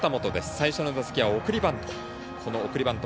最初の打席は送りバント。